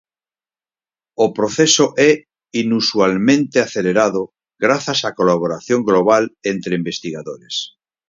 O proceso é inusualmente acelerado grazas á colaboración global entre investigadores.